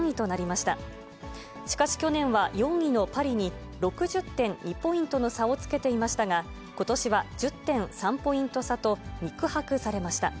しかし、去年は４位のパリに６０．２ポイントの差をつけていましたが、ことしは１０．３ポイント差と、肉薄されました。